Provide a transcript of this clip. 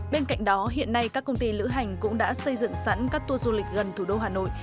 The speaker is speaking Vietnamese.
bên cạnh đó hiện nay các công ty lữ hành cũng đã xây dựng sẵn các tour du lịch gần thủ đô hà nội